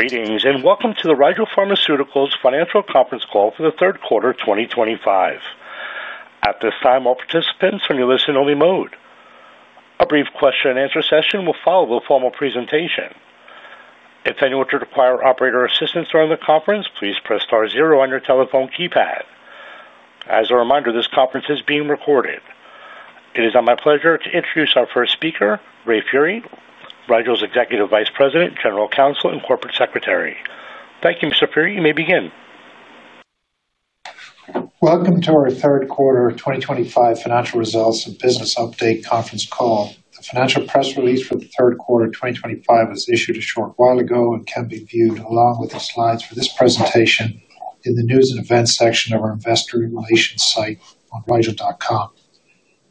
Greetings and welcome to the Rigel Pharmaceuticals financial conference call for the third quarter of 2025. At this time, all participants are in your listen-only mode. A brief question-and-answer session will follow the formal presentation. If anyone should require operator assistance during the conference, please press star zero on your telephone keypad. As a reminder, this conference is being recorded. It is now my pleasure to introduce our first speaker, Ray Furey, Rigel's Executive Vice President, General Counsel, and Corporate Secretary. Thank you, Mr. Furey. You may begin. Welcome to our third quarter 2025 financial results and business update conference call. The financial press release for the third quarter 2025 was issued a short while ago and can be viewed along with the slides for this presentation in the news and events section of our investor relations site on rigel.com.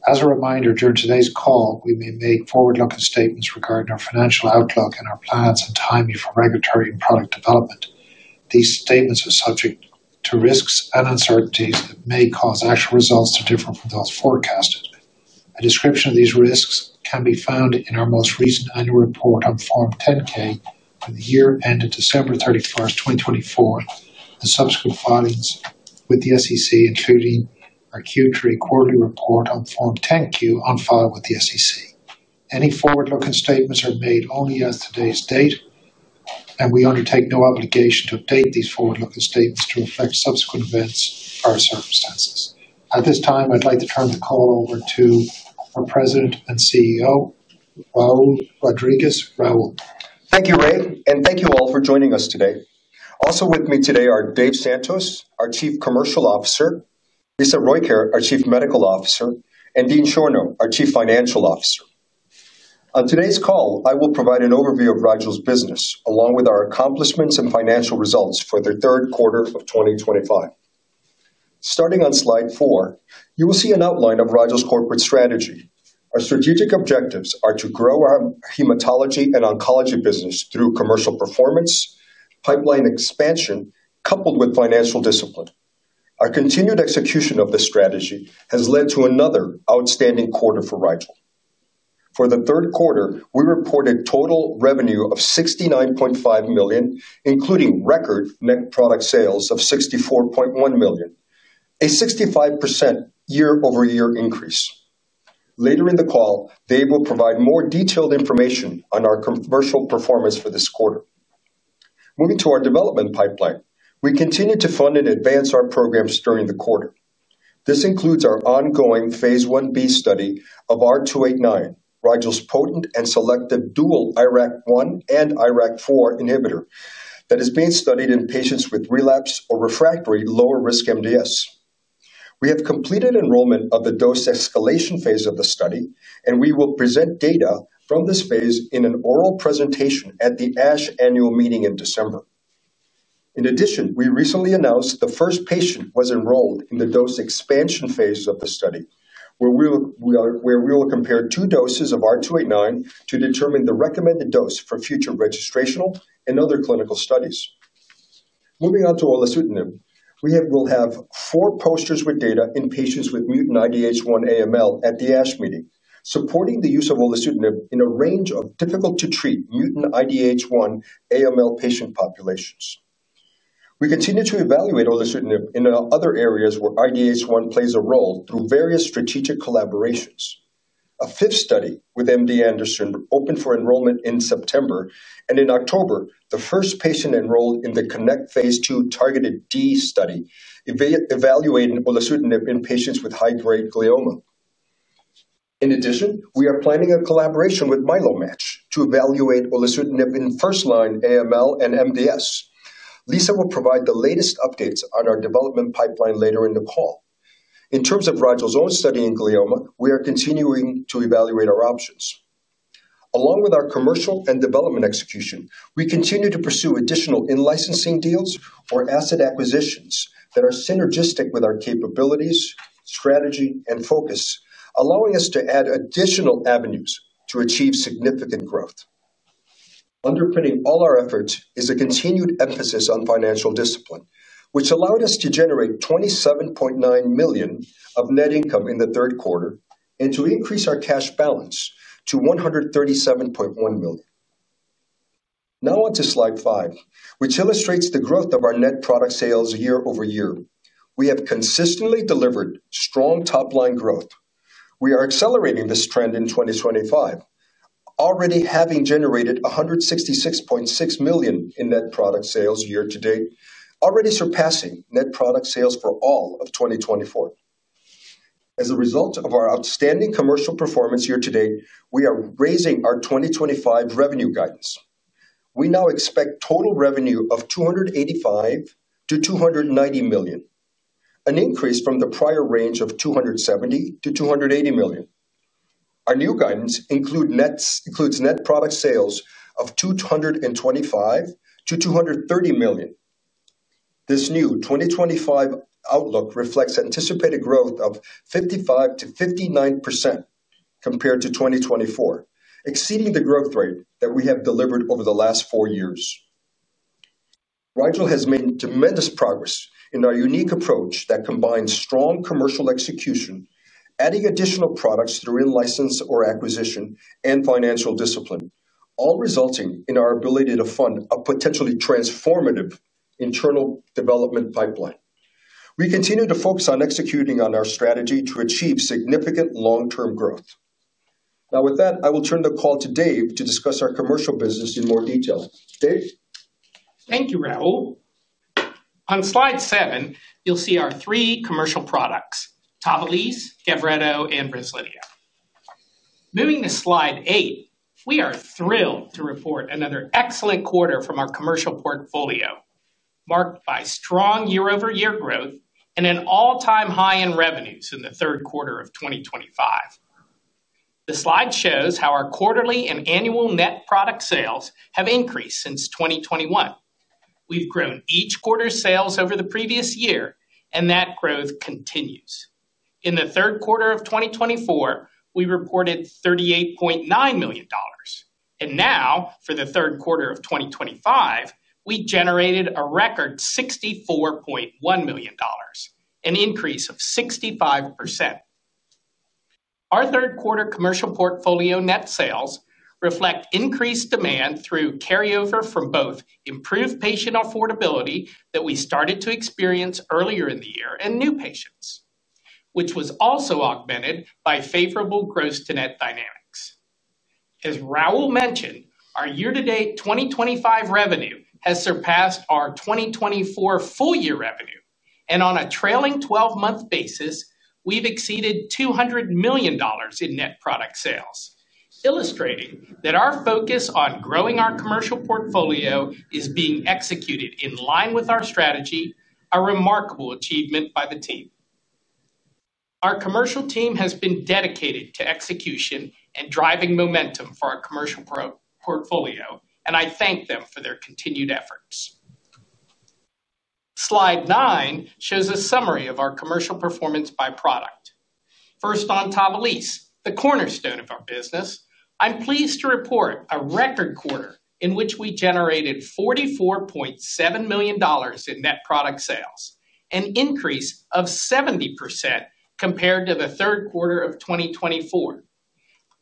As a reminder, during today's call, we may make forward-looking statements regarding our financial outlook and our plans and timing for regulatory and product development. These statements are subject to risks and uncertainties that may cause actual results to differ from those forecasted. A description of these risks can be found in our most recent annual report on Form 10-K for the year ended December 31st, 2024, and subsequent filings with the SEC, including our Q3 quarterly report on Form 10-Q on file with the SEC. Any forward-looking statements are made only as of today's date, and we undertake no obligation to update these forward-looking statements to reflect subsequent events or circumstances. At this time, I'd like to turn the call over to our President and CEO, Raul Rodriguez. Raul? Thank you, Ray, and thank you all for joining us today. Also with me today are Dave Santos, our Chief Commercial Officer, Lisa Rojkjaer, our Chief Medical Officer, and Dean Schorno, our Chief Financial Officer. On today's call, I will provide an overview of Rigel's business, along with our accomplishments and financial results for the third quarter of 2025. Starting on slide four, you will see an outline of Rigel's corporate strategy. Our strategic objectives are to grow our hematology and oncology business through commercial performance, pipeline expansion, coupled with financial discipline. Our continued execution of this strategy has led to another outstanding quarter for Rigel. For the third quarter, we reported total revenue of $69.5 million, including record net product sales of $64.1 million, a 65% year-over-year increase. Later in the call, Dave will provide more detailed information on our commercial performance for this quarter. Moving to our development pipeline, we continue to fund and advance our programs during the quarter. This includes our ongoing phase Ib study of R289, Rigel's potent and selective dual IRAK1 and IRAK4 inhibitor that is being studied in patients with relapse or refractory lower-risk MDS. We have completed enrollment of the dose escalation phase of the study, and we will present data from this phase in an oral presentation at the ASH annual meeting in December. In addition, we recently announced the first patient was enrolled in the dose expansion phase of the study, where we will compare two doses of R289 to determine the recommended dose for future registrational and other clinical studies. Moving on to olutasidenib, we will have four posters with data in patients with mutant IDH1 AML at the ASH meeting, supporting the use of olutasidenib in a range of difficult-to-treat mutant IDH1 AML patient populations. We continue to evaluate olutasidenib in other areas where IDH1 plays a role through various strategic collaborations. A fifth study with MD Anderson opened for enrollment in September, and in October, the first patient enrolled in the CONNECT phase II TarGeT-D study evaluating olutasidenib in patients with high-grade glioma. In addition, we are planning a collaboration with MyeloMATCH to evaluate olutasidenib in first-line AML and MDS. Lisa will provide the latest updates on our development pipeline later in the call. In terms of Rigel's own study in glioma, we are continuing to evaluate our options. Along with our commercial and development execution, we continue to pursue additional in-licensing deals or asset acquisitions that are synergistic with our capabilities, strategy, and focus, allowing us to add additional avenues to achieve significant growth. Underpinning all our efforts is a continued emphasis on financial discipline, which allowed us to generate $27.9 million of net income in the third quarter and to increase our cash balance to $137.1 million. Now on to slide 5, which illustrates the growth of our net product sales year-over-year. We have consistently delivered strong top-line growth. We are accelerating this trend in 2025. Already having generated $166.6 million in net product sales year to date, already surpassing net product sales for all of 2024. As a result of our outstanding commercial performance year to date, we are raising our 2025 revenue guidance. We now expect total revenue of $285-$290 million, an increase from the prior range of $270-$280 million. Our new guidance includes net product sales of $225-$230 million. This new 2025 outlook reflects anticipated growth of 55%-59% compared to 2024, exceeding the growth rate that we have delivered over the last four years. Rigel has made tremendous progress in our unique approach that combines strong commercial execution, adding additional products through in-license or acquisition, and financial discipline, all resulting in our ability to fund a potentially transformative internal development pipeline. We continue to focus on executing on our strategy to achieve significant long-term growth. Now, with that, I will turn the call to Dave to discuss our commercial business in more detail. Dave? Thank you, Raul. On slide 7, you'll see our three commercial products: TAVALISSE, GAVRETO, and REZLIDHIA. Moving to slide eight, we are thrilled to report another excellent quarter from our commercial portfolio, marked by strong year-over-year growth and an all-time high in revenues in the third quarter of 2025. The slide shows how our quarterly and annual net product sales have increased since 2021. We've grown each quarter's sales over the previous year, and that growth continues. In the third quarter of 2024, we reported $38.9 million, and now for the third quarter of 2025, we generated a record $64.1 million, an increase of 65%. Our third-quarter commercial portfolio net sales reflect increased demand through carryover from both improved patient affordability that we started to experience earlier in the year and new patients, which was also augmented by favorable gross-to-net dynamics. As Raul mentioned, our year-to-date 2025 revenue has surpassed our 2024 full-year revenue, and on a trailing 12-month basis, we've exceeded $200 million in net product sales, illustrating that our focus on growing our commercial portfolio is being executed in line with our strategy, a remarkable achievement by the team. Our commercial team has been dedicated to execution and driving momentum for our commercial portfolio, and I thank them for their continued efforts. Slide nine shows a summary of our commercial performance by product. First, on TAVALISSE, the cornerstone of our business, I'm pleased to report a record quarter in which we generated $44.7 million in net product sales, an increase of 70% compared to the third quarter of 2024.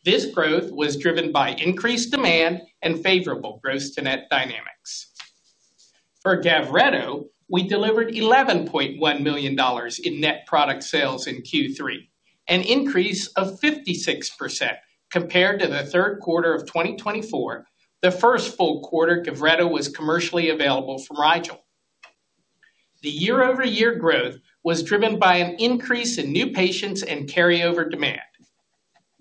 This growth was driven by increased demand and favorable gross-to-net dynamics. For GAVRETO, we delivered $11.1 million in net product sales in Q3, an increase of 56% compared to the third quarter of 2024, the first full quarter GAVRETO was commercially available from Rigel. The year-over-year growth was driven by an increase in new patients and carryover demand.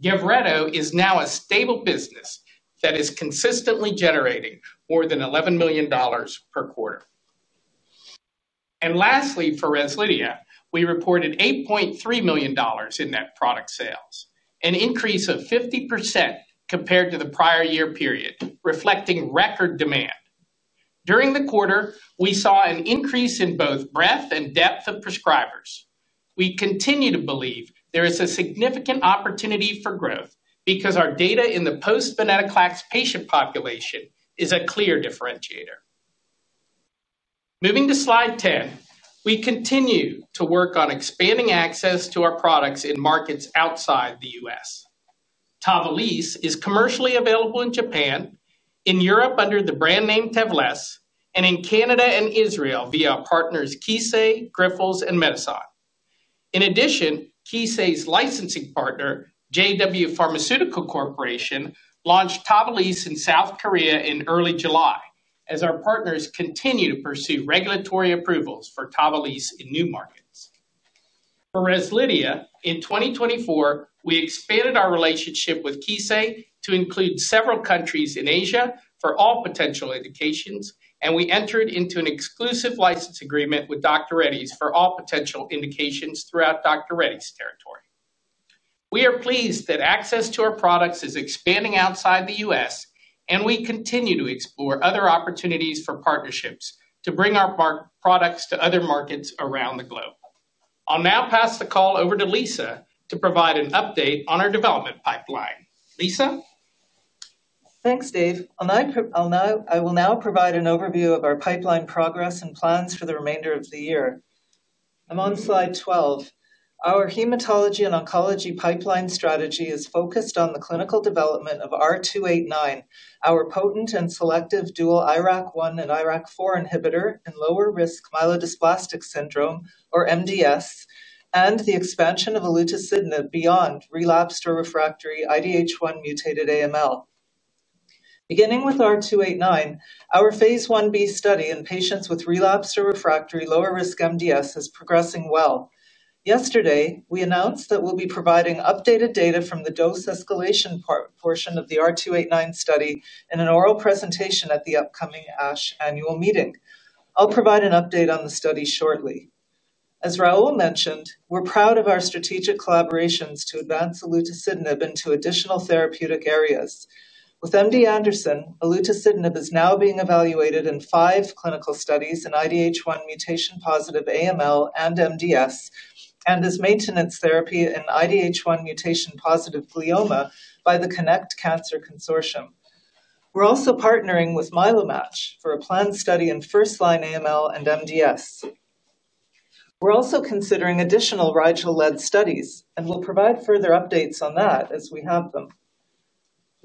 GAVRETO is now a stable business that is consistently generating more than $11 million per quarter. And lastly, for REZLIDHIA, we reported $8.3 million in net product sales, an increase of 50% compared to the prior year period, reflecting record demand. During the quarter, we saw an increase in both breadth and depth of prescribers. We continue to believe there is a significant opportunity for growth because our data in the post-venetoclax patient population is a clear differentiator. Moving to slide ten, we continue to work on expanding access to our products in markets outside the U.S. TAVALISSE is commercially available in Japan, in Europe under the brand name Tavlesse, and in Canada and Israel via our partners Kissei, Grifols, and Medison. In addition, Kissei's licensing partner, JW Pharmaceutical Corporation, launched TAVALISSE in South Korea in early July as our partners continue to pursue regulatory approvals for TAVALISSE in new markets. For Rigel, in 2024, we expanded our relationship with Kissei to include several countries in Asia for all potential indications, and we entered into an exclusive license agreement with Dr. Reddy's for all potential indications throughout Dr. Reddy's territory. We are pleased that access to our products is expanding outside the U.S., and we continue to explore other opportunities for partnerships to bring our products to other markets around the globe. I'll now pass the call over to Lisa to provide an update on our development pipeline. Lisa. Thanks, Dave. I'll now provide an overview of our pipeline progress and plans for the remainder of the year. I'm on slide 12. Our hematology and oncology pipeline strategy is focused on the clinical development of R289, our potent and selective dual IRAK1 and IRAK4 inhibitor in lower-risk myelodysplastic syndrome, or MDS, and the expansion of olutasidenib beyond relapsed or refractory IDH1-mutated AML. Beginning with R289, our phase Ib study in patients with relapsed or refractory lower-risk MDS is progressing well. Yesterday, we announced that we'll be providing updated data from the dose escalation portion of the R289 study in an oral presentation at the upcoming ASH Annual Meeting. I'll provide an update on the study shortly. As Raul mentioned, we're proud of our strategic collaborations to advance olutasidenib into additional therapeutic areas. With MD Anderson, olutasidenib is now being evaluated in five clinical studies in IDH1 mutation-positive AML and MDS and as maintenance therapy in IDH1 mutation-positive glioma by the CONNECT Cancer Consortium. We're also partnering with MyeloMATCH for a planned study in first-line AML and MDS. We're also considering additional Rigel-led studies and will provide further updates on that as we have them.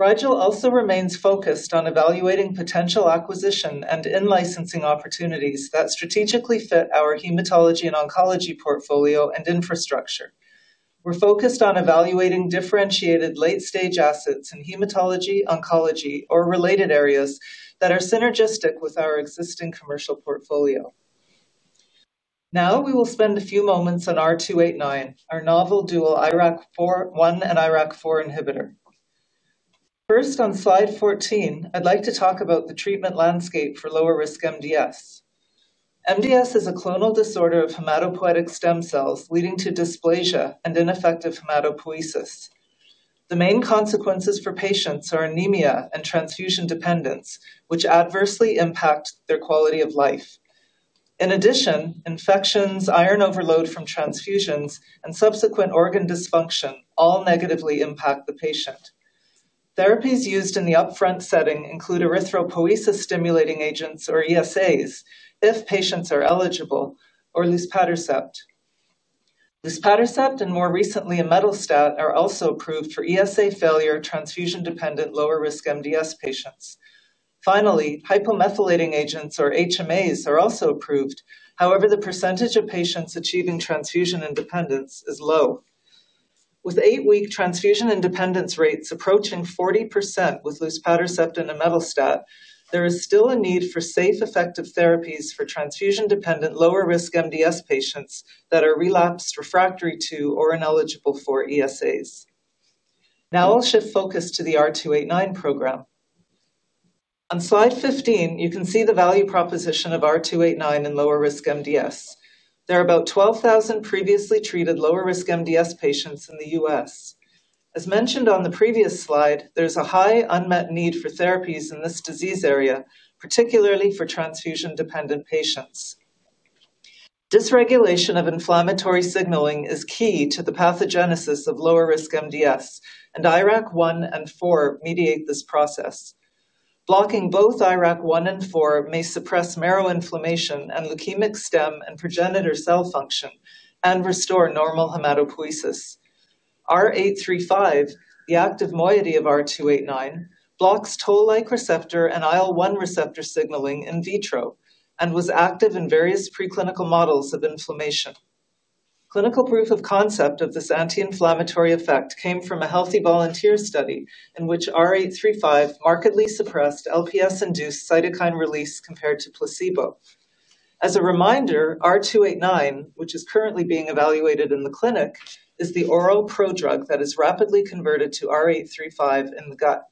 Rigel also remains focused on evaluating potential acquisition and in-licensing opportunities that strategically fit our hematology and oncology portfolio and infrastructure. We're focused on evaluating differentiated late-stage assets in hematology, oncology, or related areas that are synergistic with our existing commercial portfolio. Now we will spend a few moments on R289, our novel dual IRAK1 and IRAK4 inhibitor. First, on slide 14, I'd like to talk about the treatment landscape for lower-risk MDS. MDS is a clonal disorder of hematopoietic stem cells leading to dysplasia and ineffective hematopoiesis. The main consequences for patients are anemia and transfusion dependence, which adversely impact their quality of life. In addition, infections, iron overload from transfusions, and subsequent organ dysfunction all negatively impact the patient. Therapies used in the upfront setting include erythropoiesis-stimulating agents, or ESAs, if patients are eligible, or luspatercept. luspatercept and more recently Imetelstat are also approved for ESA failure transfusion-dependent lower-risk MDS patients. Finally, hypomethylating agents, or HMAs, are also approved. However, the percentage of patients achieving transfusion independence is low. With eight-week transfusion independence rates approaching 40% with luspaterceptand imetelstat, there is still a need for safe, effective therapies for transfusion-dependent lower-risk MDS patients that are relapsed, refractory to, or ineligible for ESAs. Now I'll shift focus to the R289 program. On slide 15, you can see the value proposition of R289 in lower-risk MDS. There are about 12,000 previously treated lower-risk MDS patients in the U.S. As mentioned on the previous slide, there's a high unmet need for therapies in this disease area, particularly for transfusion-dependent patients. Dysregulation of inflammatory signaling is key to the pathogenesis of lower-risk MDS, and IRAK1 and IRAK4 mediate this process. Blocking both IRAK1 and IRAK4 may suppress marrow inflammation and leukemic stem and progenitor cell function and restore normal hematopoiesis. R835, the active moiety of R289, blocks toll-like receptor and IL-1 receptor signaling in vitro and was active in various preclinical models of inflammation. Clinical proof of concept of this anti-inflammatory effect came from a healthy volunteer study in which R835 markedly suppressed LPS-induced cytokine release compared to placebo. As a reminder, R289, which is currently being evaluated in the clinic, is the oral pro-drug that is rapidly converted to R835 in the gut.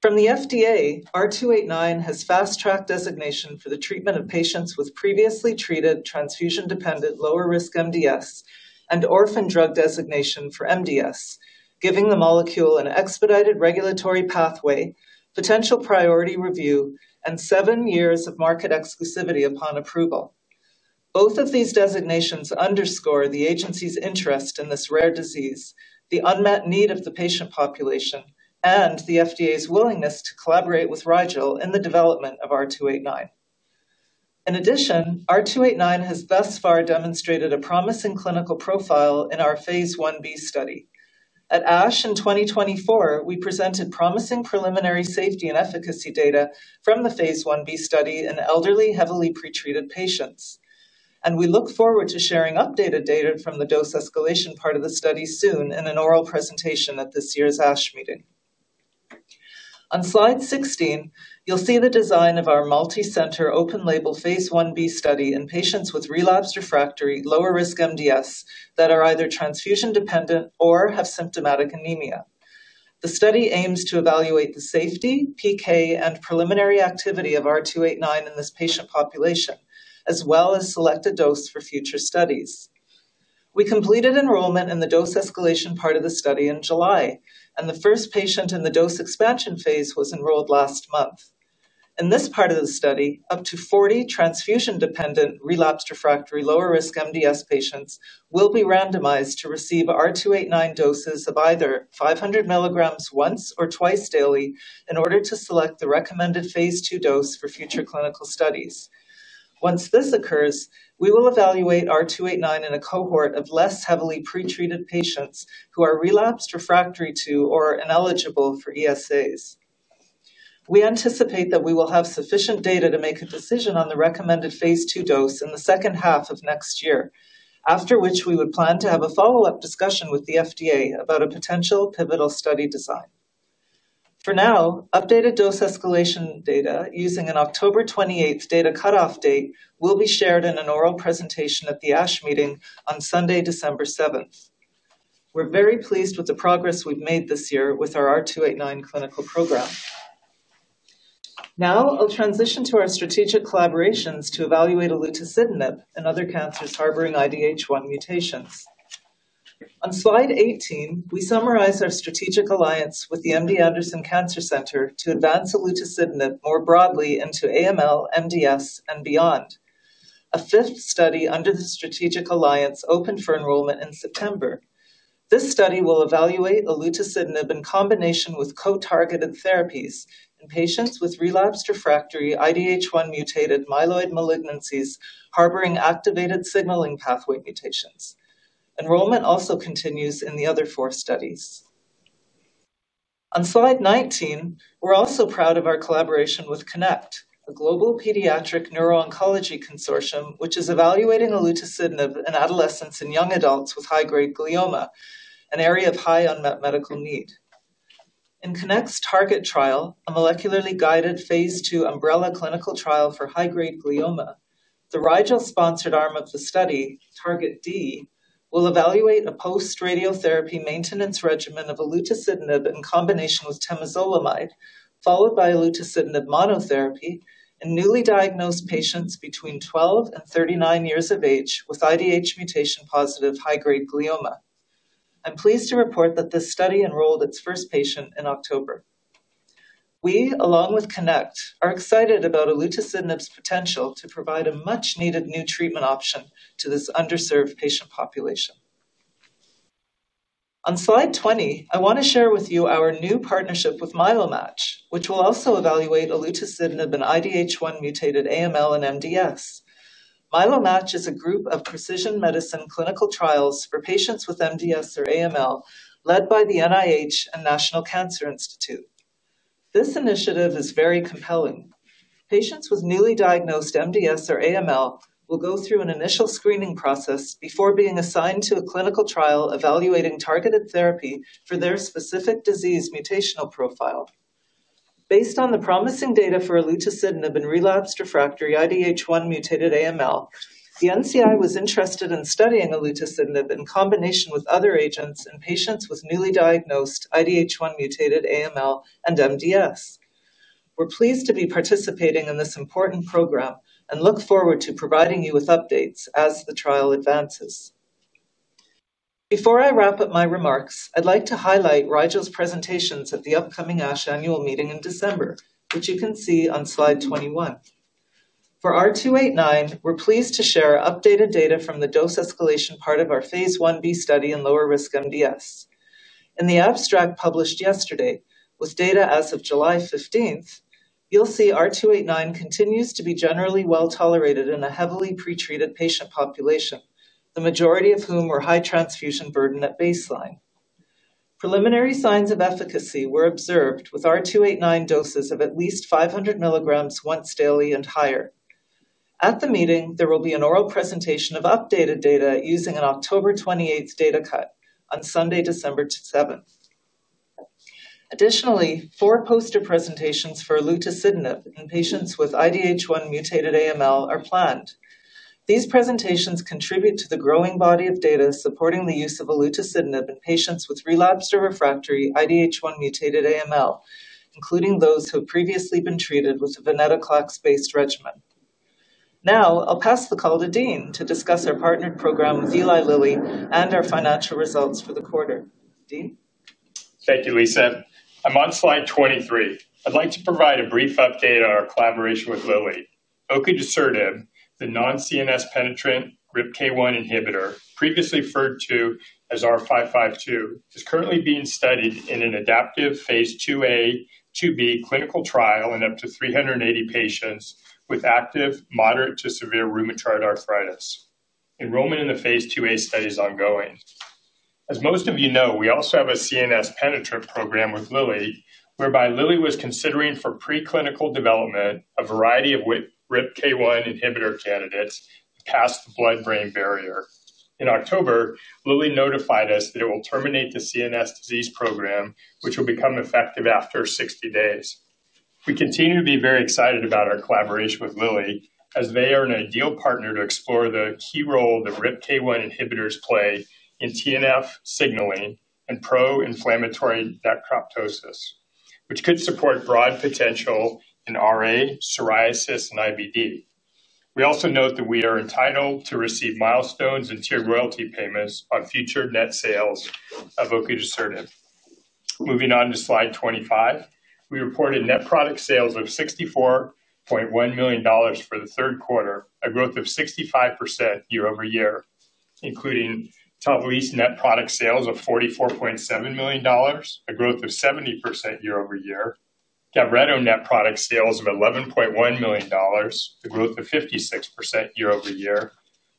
From the FDA, R289 has fast-track designation for the treatment of patients with previously treated transfusion-dependent lower-risk MDS and orphan drug designation for MDS, giving the molecule an expedited regulatory pathway, potential priority review, and seven years of market exclusivity upon approval. Both of these designations underscore the agency's interest in this rare disease, the unmet need of the patient population, and the FDA's willingness to collaborate with Rigel in the development of R289. In addition, R289 has thus far demonstrated a promising clinical profile in our phase Ib study. At ASH in 2024, we presented promising preliminary safety and efficacy data from the phase Ib study in elderly, heavily pretreated patients, and we look forward to sharing updated data from the dose escalation part of the study soon in an oral presentation at this year's ASH meeting. On slide 16, you'll see the design of our multi-center open-label phase Ib study in patients with relapsed refractory lower-risk MDS that are either transfusion-dependent or have symptomatic anemia. The study aims to evaluate the safety, PK, and preliminary activity of R289 in this patient population, as well as selected dose for future studies. We completed enrollment in the dose escalation part of the study in July, and the first patient in the dose expansion phase was enrolled last month. In this part of the study, up to 40 transfusion-dependent relapsed refractory lower-risk MDS patients will be randomized to receive R289 doses of either 500 mg once or twice daily in order to select the recommended phase 2 dose for future clinical studies. Once this occurs, we will evaluate R289 in a cohort of less heavily pretreated patients who are relapsed refractory to or ineligible for ESAs. We anticipate that we will have sufficient data to make a decision on the recommended phase 2 dose in the second half of next year, after which we would plan to have a follow-up discussion with the FDA about a potential pivotal study design. For now, updated dose escalation data using an October 28th data cutoff date will be shared in an oral presentation at the ASH meeting on Sunday, December 7th. We're very pleased with the progress we've made this year with our R289 clinical program. Now I'll transition to our strategic collaborations to evaluate olutasidenib and other cancers harboring IDH1 mutations. On slide 18, we summarize our strategic alliance with the MD Anderson Cancer Center to advance olutasidenib more broadly into AML, MDS, and beyond. A fifth study under the strategic alliance opened for enrollment in September. This study will evaluate olutasidenib in combination with co-targeted therapies in patients with relapsed/refractory IDH1-mutated myeloid malignancies harboring activated signaling pathway mutations. Enrollment also continues in the other four studies. On slide 19, we're also proud of our collaboration with CONNECT, a global pediatric neurooncology consortium which is evaluating olutasidenib in adolescents and young adults with high-grade glioma, an area of high unmet medical need. In CONNECT's TarGeT trial, a molecularly guided phase II umbrella clinical trial for high-grade glioma, the Rigel-sponsored arm of the study, TarGeT-D, will evaluate a post-radiotherapy maintenance regimen of olutasidenib in combination with temozolomide, followed by olutasidenib monotherapy in newly diagnosed patients between 12 and 39 years of age with IDH mutation-positive high-grade glioma. I'm pleased to report that this study enrolled its first patient in October. We, along with CONNECT, are excited about olutasidenib's potential to provide a much-needed new treatment option to this underserved patient population. On slide 20, I want to share with you our new partnership with MyeloMATCH, which will also evaluate olutasidenib in IDH1-mutated AML and MDS. MyeloMATCH is a group of precision medicine clinical trials for patients with MDS or AML led by the NIH and National Cancer Institute. This initiative is very compelling. Patients with newly diagnosed MDS or AML will go through an initial screening process before being assigned to a clinical trial evaluating targeted therapy for their specific disease mutational profile. Based on the promising data for olutasidenib in relapsed/refractory IDH1-mutated AML, the NCI was interested in studying olutasidenib in combination with other agents in patients with newly diagnosed IDH1-mutated AML and MDS. We're pleased to be participating in this important program and look forward to providing you with updates as the trial advances. Before I wrap up my remarks, I'd like to highlight Rigel's presentations at the upcoming ASH Annual Meeting in December, which you can see on slide 21. For R289, we're pleased to share updated data from the dose escalation part of our phase Ib study in lower-risk MDS. In the abstract published yesterday, with data as of July 15th, you'll see R289 continues to be generally well tolerated in a heavily pretreated patient population, the majority of whom were high transfusion burden at baseline. Preliminary signs of efficacy were observed with R289 doses of at least 500 mg once daily and higher. At the meeting, there will be an oral presentation of updated data using an October 28th data cut on Sunday, December 7th. Additionally, four poster presentations for olutasidenib in patients with IDH1-mutated AML are planned. These presentations contribute to the growing body of data supporting the use of olutasidenib in patients with relapsed or refractory IDH1-mutated AML, including those who have previously been treated with a venetoclax-based regimen. Now I'll pass the call to Dean to discuss our partnered program with Eli Lilly and our financial results for the quarter. Dean? Thank you, Lisa. I'm on slide 23. I'd like to provide a brief update on our collaboration with Lilly. Ocadusertib, the non-CNS penetrant RIPK1 inhibitor, previously referred to as R552, is currently being studied in an adaptive phase Ia, IIb clinical trial in up to 380 patients with active moderate to severe rheumatoid arthritis. Enrollment in the phase IIa study is ongoing. As most of you know, we also have a CNS penetrant program with Lilly, whereby Lilly was considering for preclinical development a variety of RIPK1 inhibitor candidates past the blood-brain barrier. In October, Lilly notified us that it will terminate the CNS disease program, which will become effective after 60 days. We continue to be very excited about our collaboration with Lilly, as they are an ideal partner to explore the key role the RIPK1 inhibitors play in TNF signaling and pro-inflammatory necroptosis, which could support broad potential in RA, psoriasis, and IBD. We also note that we are entitled to receive milestones and tiered royalty payments on future net sales of ocadusertib. Moving on to slide 25, we reported net product sales of $64.1 million for the third quarter, a growth of 65% year-over-year, including TAVALISSE net product sales of $44.7 million, a growth of 70% year-over-year, GAVRETO net product sales of $11.1 million, a growth of 56% year-over-year.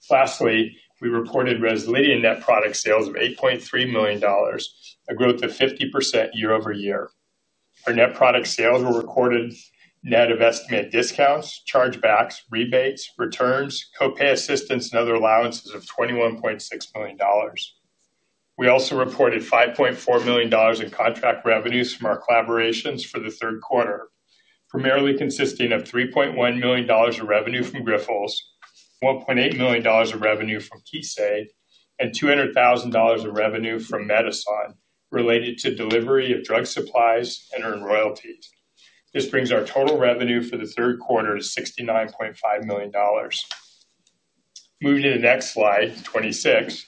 Lastly, we reported REZLIDHIA net product sales of $8.3 million, a growth of 50% year-over-year. Our net product sales were recorded net of estimated discounts, chargebacks, rebates, returns, copay assistance, and other allowances of $21.6 million. We also reported $5.4 million in contract revenues from our collaborations for the third quarter, primarily consisting of $3.1 million in revenue from Grifols, $1.8 million in revenue from Kissei, and $200,000 in revenue from Medison related to delivery of drug supplies and earned royalties. This brings our total revenue for the third quarter to $69.5 million. Moving to the next slide, 26,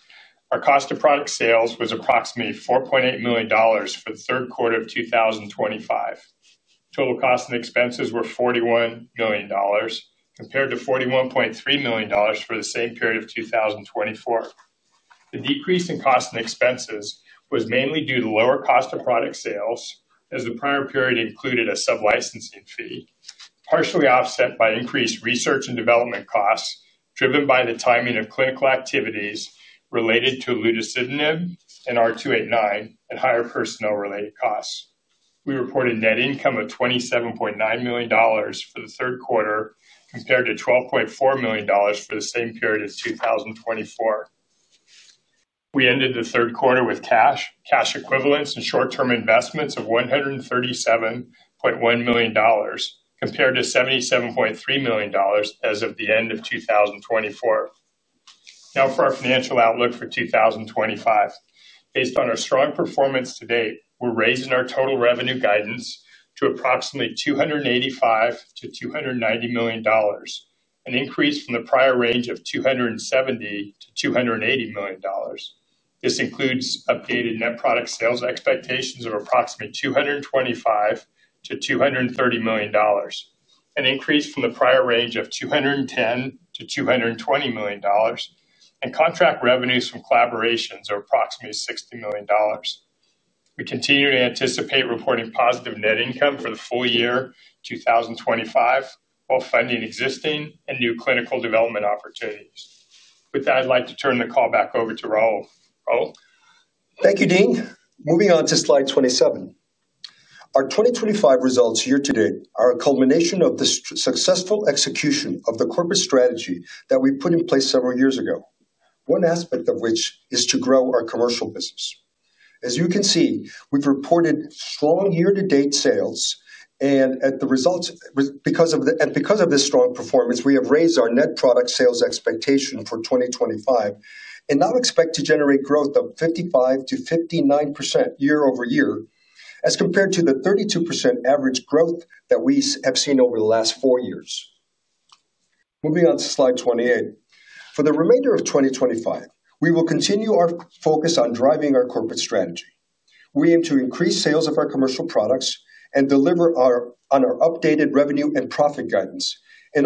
our cost of product sales was approximately $4.8 million for the third quarter of 2025. Total cost and expenses were $41 million, compared to $41.3 million for the same period of 2024. The decrease in cost and expenses was mainly due to lower cost of product sales, as the prior period included a sub-licensing fee, partially offset by increased research and development costs driven by the timing of clinical activities related to olutasidenib and R289 and higher personnel-related costs. We reported net income of $27.9 million for the third quarter, compared to $12.4 million for the same period as 2024. We ended the third quarter with cash, cash equivalents, and short-term investments of $137.1 million, compared to $77.3 million as of the end of 2024. Now for our financial outlook for 2025. Based on our strong performance to date, we're raising our total revenue guidance to approximately $285-$290 million, an increase from the prior range of $270 million-$280 million. This includes updated net product sales expectations of approximately $225 million-$230 million, an increase from the prior range of $210 million-$220 million, and contract revenues from collaborations of approximately $60 million. We continue to anticipate reporting positive net income for the full year 2025 while funding existing and new clinical development opportunities. With that, I'd like to turn the call back over to Raul. Raul? Thank you, Dean. Moving on to slide 27. Our 2025 results year-to-date are a culmination of the successful execution of the corporate strategy that we put in place several years ago, one aspect of which is to grow our commercial business. As you can see, we've reported strong year-to-date sales, and because of this strong performance, we have raised our net product sales expectation for 2025 and now expect to generate growth of 55%-59% year-over-year, as compared to the 32% average growth that we have seen over the last four years. Moving on to slide 28. For the remainder of 2025, we will continue our focus on driving our corporate strategy. We aim to increase sales of our commercial products and deliver on our updated revenue and profit guidance, and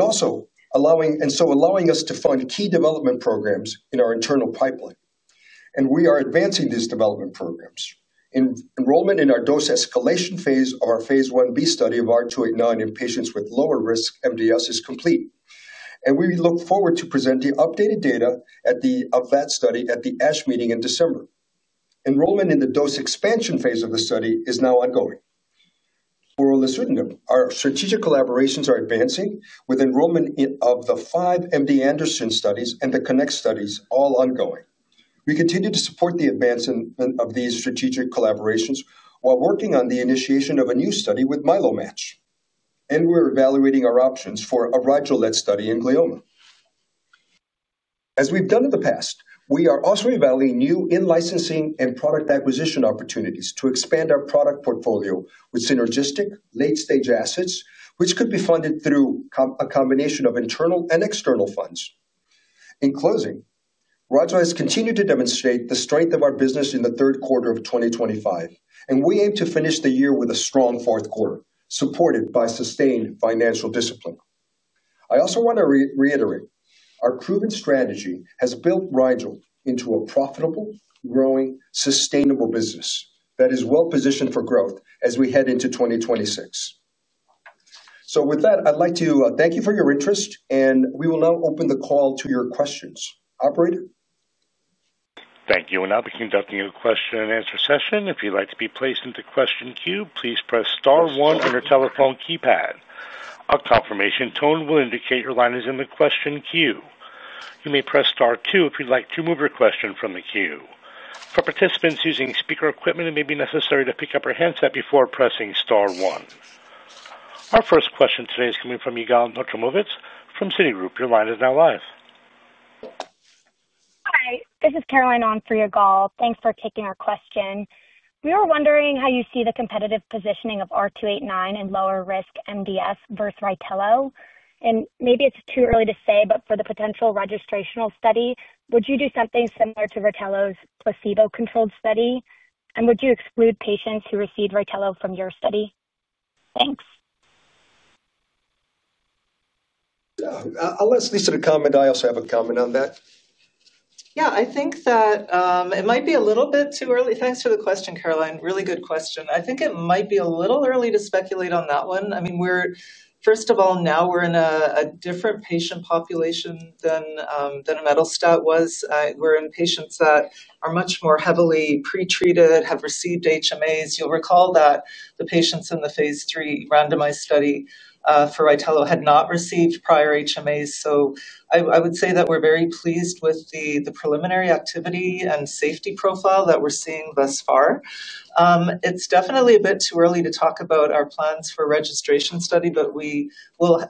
so allowing us to fund key development programs in our internal pipeline, and we are advancing these development programs. Enrollment in our dose escalation phase of our phase Ib study of R289 in patients with lower-risk MDS is complete, and we look forward to presenting updated data of that study at the ASH meeting in December. Enrollment in the dose expansion phase of the study is now ongoing. For olutasidenib, our strategic collaborations are advancing with enrollment of the five MD Anderson studies and the CONNECT studies, all ongoing. We continue to support the advancement of these strategic collaborations while working on the initiation of a new study with MyeloMATCH, and we're evaluating our options for a Rigel-led study in glioma. As we've done in the past, we are also evaluating new in-licensing and product acquisition opportunities to expand our product portfolio with synergistic late-stage assets, which could be funded through a combination of internal and external funds. In closing, Rigel has continued to demonstrate the strength of our business in the third quarter of 2025, and we aim to finish the year with a strong fourth quarter, supported by sustained financial discipline. I also want to reiterate, our proven strategy has built Rigel into a profitable, growing, sustainable business that is well-positioned for growth as we head into 2026, so with that, I'd like to thank you for your interest, and we will now open the call to your questions. Operator? Thank you, and now we're conducting a question-and-answer session. If you'd like to be placed into question queue, please press star one on your telephone keypad. A confirmation tone will indicate your line is in the question queue. You may press star two if you'd like to move your question from the queue. For participants using speaker equipment, it may be necessary to pick up your handset before pressing star one. Our first question today is coming from Yigal Nochomovitz from Citigroup. Your line is now live. Hi. This is Caroline on for Yigal. Thanks for taking our question. We were wondering how you see the competitive positioning of R289 in lower-risk MDS versus RYTELO. And maybe it's too early to say, but for the potential registrational study, would you do something similar to RYTELO's placebo-controlled study? And would you exclude patients who received RYTELO from your study? Thanks. I'll ask Lisa to comment. I also have a comment on that. Yeah. I think that it might be a little bit too early. Thanks for the question, Caroline. Really good question. I think it might be a little early to speculate on that one. I mean, first of all, now we're in a different patient population than imetelstat was. We're in patients that are much more heavily pretreated, have received HMAs. You'll recall that the patients in the phase 3 randomized study for RYTELO had not received prior HMAs. So I would say that we're very pleased with the preliminary activity and safety profile that we're seeing thus far. It's definitely a bit too early to talk about our plans for registration study, but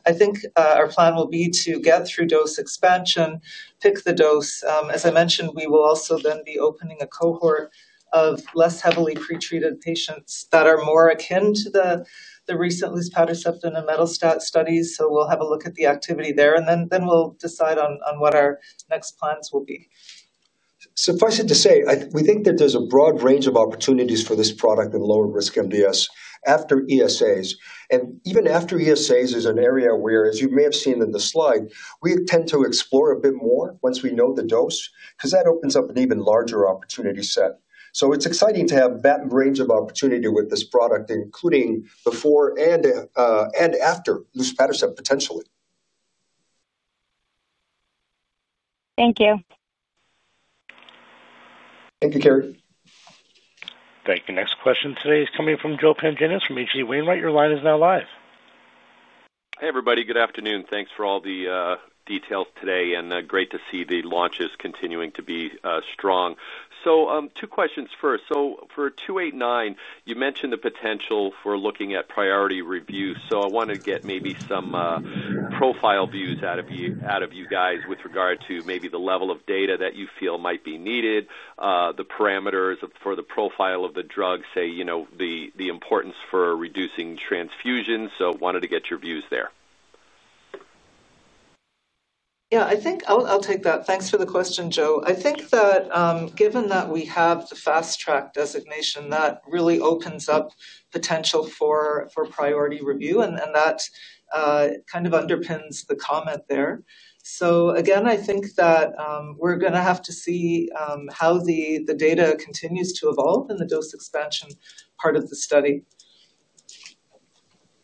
I think our plan will be to get through dose expansion, pick the dose. As I mentioned, we will also then be opening a cohort of less heavily pretreated patients that are more akin to the recent luspatercept and imetelstat studies. So we'll have a look at the activity there, and then we'll decide on what our next plans will be. Suffice it to say, we think that there's a broad range of opportunities for this product in lower-risk MDS after ESAs. And even after ESAs is an area where, as you may have seen in the slide, we tend to explore a bit more once we know the dose because that opens up an even larger opportunity set. So it's exciting to have that range of opportunity with this product, including before and after luspatercept potentially. Thank you. Thank you, Caroline. Thank you. Next question today is coming from Joe Pantginis from H.C. Wainwright. Your line is now live. Hey, everybody. Good afternoon. Thanks for all the details today, and great to see the launches continuing to be strong. So two questions first. So for 289, you mentioned the potential for looking at priority review. So I want to get maybe some. Profile views out of you guys with regard to maybe the level of data that you feel might be needed, the parameters for the profile of the drug, say the importance for reducing transfusions. So wanted to get your views there. Yeah. I think I'll take that. Thanks for the question, Joe. I think that given that we have the fast-track designation, that really opens up potential for priority review, and that. Kind of underpins the comment there. So again, I think that we're going to have to see how the data continues to evolve in the dose expansion part of the study.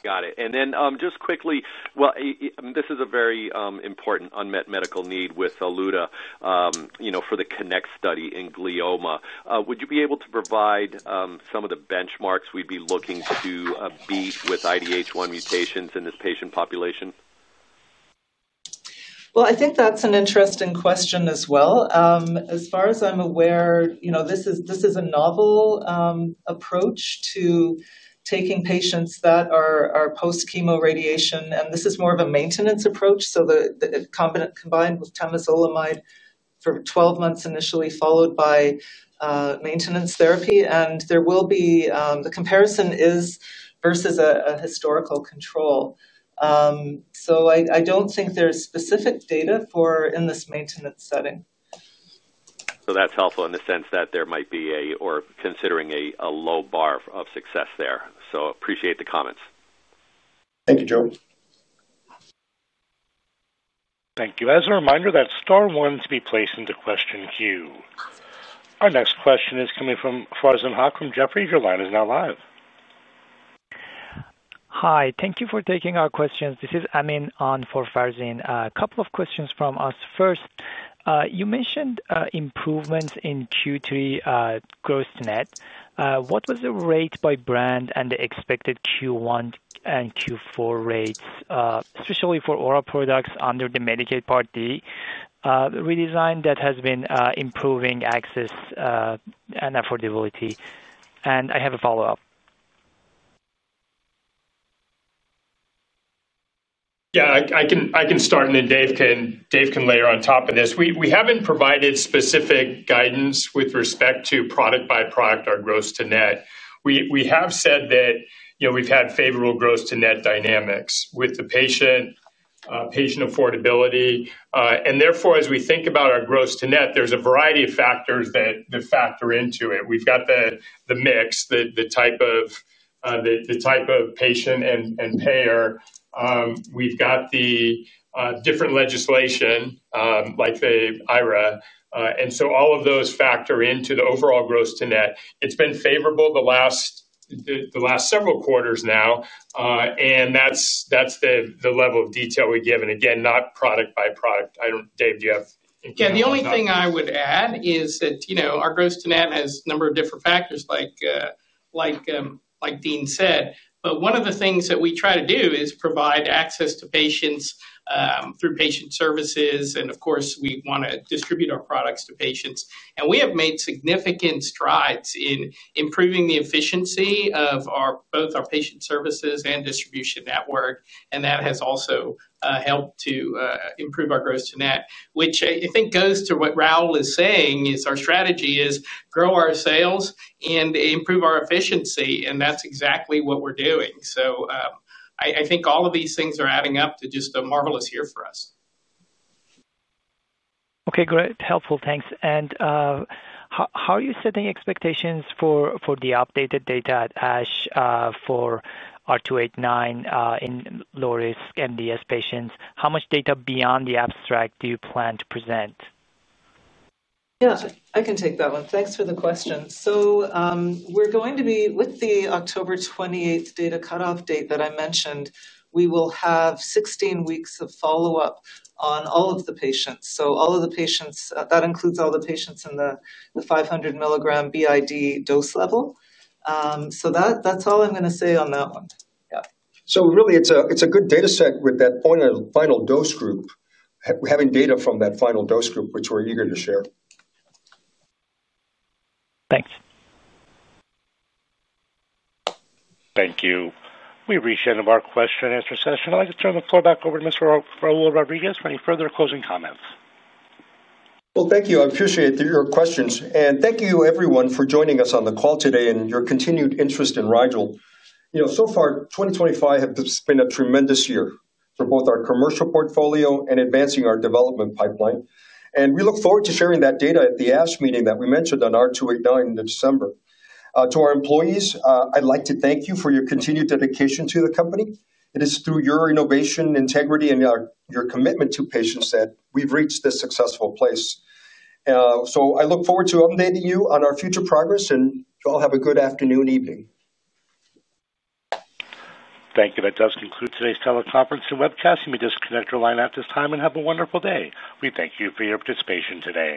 Got it. And then just quickly, well, this is a very important unmet medical need with olutasidenib for the CONNECT study in glioma. Would you be able to provide some of the benchmarks we'd be looking to beat with IDH1 mutations in this patient population? Well, I think that's an interesting question as well. As far as I'm aware, this is a novel approach to taking patients that are post-chemoradiation, and this is more of a maintenance approach. So the component combined with temozolomide for 12 months initially, followed by maintenance therapy. And the comparison is versus a historical control. So I don't think there's specific data for in this maintenance setting. So that's helpful in the sense that there might be a or considering a low bar of success there. So appreciate the comments. Thank you, Joe. Thank you. As a reminder, that's star one to be placed into question queue. Our next question is coming from Farzin Haque from Jefferies. Your line is now live. Hi. Thank you for taking our questions. This is Amin on for Farzin. A couple of questions from us. First. You mentioned improvements in Q3 gross-to-net. What was the rate by brand and the expected Q1 and Q4 rates, especially for our products under the Medicare Part D redesign that has been improving access and affordability. And I have a follow-up. Yeah. I can start, and then Dave can layer on top of this. We haven't provided specific guidance with respect to product by product or gross-to-net. We have said that we've had favorable gross-to-net dynamics with the patient affordability. And therefore, as we think about our gross-to-net, there's a variety of factors that factor into it. We've got the mix, the type of patient and payer. We've got the different legislation like the IRA. And so all of those factor into the overall gross-to-net. It's been favorable the last several quarters now. And that's the level of detail we give. And again, not product by product. Dave, do you have anything? Yeah. The only thing I would add is that our gross-to-net has a number of different factors, like Dean said. But one of the things that we try to do is provide access to patients through patient services. And of course, we want to distribute our products to patients. And we have made significant strides in improving the efficiency of both our patient services and distribution network. And that has also helped to improve our gross-to-net, which I think goes to what Raul is saying, is our strategy is grow our sales and improve our efficiency. And that's exactly what we're doing. So. I think all of these things are adding up to just a marvelous year for us. Okay. Great. Helpful. Thanks. And. How are you setting expectations for the updated data at ASH for R289 in low-risk MDS patients? How much data beyond the abstract do you plan to present? Yeah. I can take that one. Thanks for the question. So we're going to be with the October 28th data cutoff date that I mentioned. We will have 16 weeks of follow-up on all of the patients. So all of the patients, that includes all the patients in the 500 mg BID dose level. So that's all I'm going to say on that one. Yeah. So really, it's a good data set with that final dose group. Having data from that final dose group, which we're eager to share. Thanks. Thank you. We reached the end of our question-and-answer session. I'd like to turn the floor back over to Mr. Raul Rodriguez for any further closing comments. Well, thank you. I appreciate your questions. And thank you, everyone, for joining us on the call today and your continued interest in Rigel. So far, 2025 has been a tremendous year for both our commercial portfolio and advancing our development pipeline. And we look forward to sharing that data at the ASH meeting that we mentioned on R289 in December. To our employees, I'd like to thank you for your continued dedication to the company. It is through your innovation, integrity, and your commitment to patients that we've reached this successful place. So I look forward to updating you on our future progress, and you all have a good afternoon and evening. Thank you. That does conclude today's teleconference and webcast. You may disconnect your line at this time and have a wonderful day. We thank you for your participation today.